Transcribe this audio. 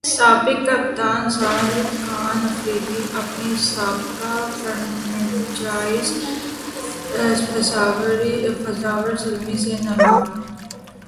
سابق کپتان شاہد خان فریدی اپنی سابق فرنچائز پشاور زلمی سے نالاں